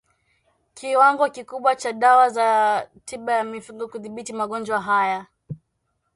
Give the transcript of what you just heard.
kiwango kikubwa cha dawa za tiba ya mifugo kudhibiti magonjwa haya